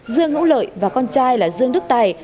dương ngũ lợi và con trai là dương đức tài